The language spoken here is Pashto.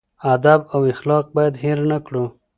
ادب او اخلاق باید هېر نه کړو.